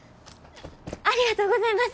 ありがとうございます！